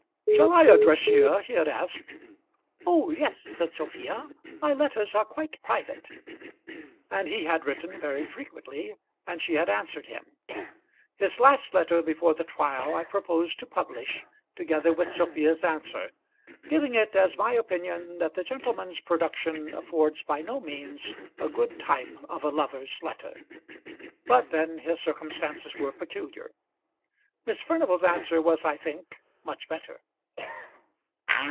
"Shall I address here?" he had asked. "Oh yes," said Sophia; "my letters are quite private." And he had written very frequently, and she had answered him. His last letter before the trial I propose to publish, together with Sophia's answer, giving it as my opinion that the gentleman's production affords by no means a good type of a lover's letter. But then his circumstances were peculiar. Miss Furnival's answer was, I think, much better.